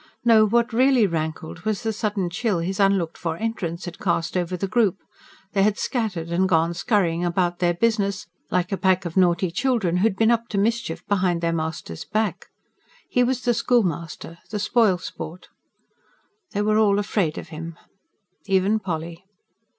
No, what really rankled was the sudden chill his unlooked for entrance had cast over the group; they had scattered and gone scurrying about their business, like a pack of naughty children who had been up to mischief behind their master's back. He was the schoolmaster the spoilsport. They were all afraid of him. Even Polly.